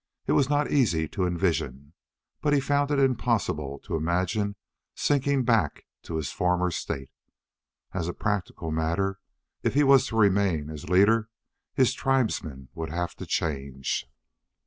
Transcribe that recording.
It was not easy to envision, but he found it impossible to imagine sinking back to his former state. As a practical matter, if he was to remain as leader his tribesmen would have to change.